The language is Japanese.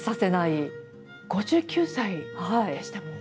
５９歳でしたもんね。